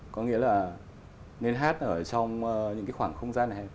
có nghĩa là nên hát ở trong những cái khoảng không gian này